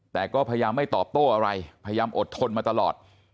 แต่ก็พยายามไม่ตอบโต้อะไรพยายามอดทนมาตลอด